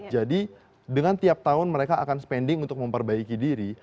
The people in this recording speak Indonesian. jadi dengan tiap tahun mereka akan spending untuk memperbaiki diri